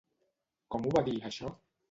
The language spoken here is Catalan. Com ho va dir, això?